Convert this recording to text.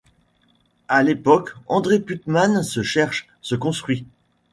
À l’époque, Andrée Putman se cherche, se construit.